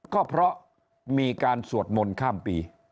ก็เพราะมีการสวดมนต์ข้ามปี